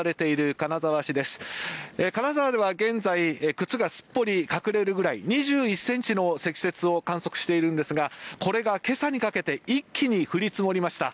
金沢では現在靴がすっぽり隠れるくらい２１ｃｍの積雪を観測しているんですがこれが今朝にかけて一気に降り積もりました。